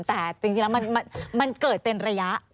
แต่จริงแล้วมันเกิดเป็นระยะ